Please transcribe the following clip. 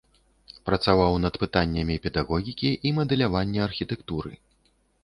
Працаваў над пытаннямі педагогікі і мадэлявання архітэктуры.